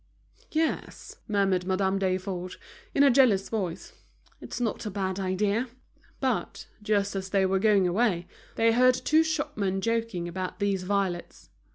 "Yes," murmured Madame Desforges, in a jealous voice, "it's not a bad idea." But, just as they were going away, they heard two shopmen joking about these violets.